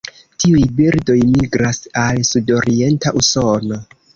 Tiuj birdoj migras al sudorienta Usono.